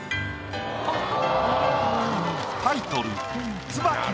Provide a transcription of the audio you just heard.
タイトル。